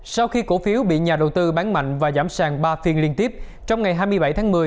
sau khi cổ phiếu bị nhà đầu tư bán mạnh và giảm sàng ba phiên liên tiếp trong ngày hai mươi bảy tháng một mươi